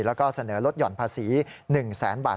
แล้วก็เสนอลดหย่อนภาษี๑แสนบาท